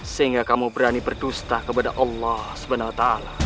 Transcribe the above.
sehingga kamu berani berdusta kepada allah swt